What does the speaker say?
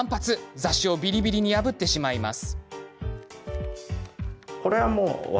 雑誌をビリビリに破ってしまいます。